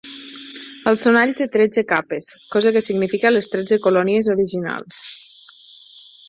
El sonall té tretze capes, cosa que significa les tretze colònies originals.